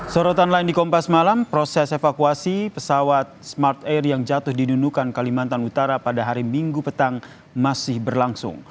sorotan lain di kompas malam proses evakuasi pesawat smart air yang jatuh di nunukan kalimantan utara pada hari minggu petang masih berlangsung